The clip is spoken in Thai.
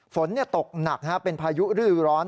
ฝนตกหนักเป็นพายุฤดูร้อน